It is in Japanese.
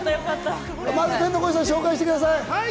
天の声さん、紹介してください。